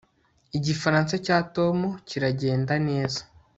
igifaransa cya tom kiragenda neza